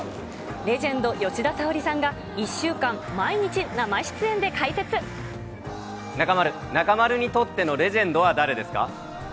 レジェンド、吉田沙保里さんが、中丸、中丸にとってのレジェンドは誰ですか。